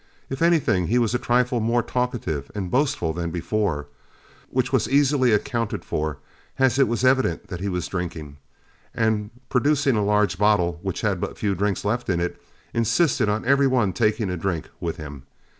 If anything, he was a trifle more talkative and boastful than before, which was easily accounted for, as it was evident that he was drinking; and producing a large bottle which had but a few drinks left in it, insisted on every one taking a drink with him.